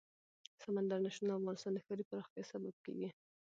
سمندر نه شتون د افغانستان د ښاري پراختیا سبب کېږي.